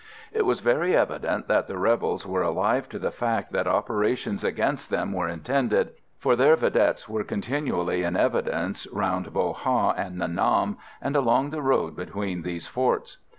It was very evident that the rebels were alive to the fact that operations against them were intended, for their vedettes were continually in evidence round Bo Ha and Nha Nam, and along the road between these forts.